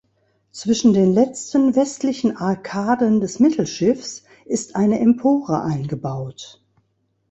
Zwischen den letzten westlichen Arkaden des Mittelschiffs ist eine Empore eingebaut.